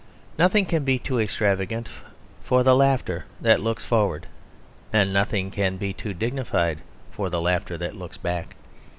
Nothing can be too extravagant for the laughter that looks forward; and nothing can be too dignified for the laughter that looks back.